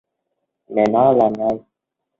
Mẹ nói là làm ngay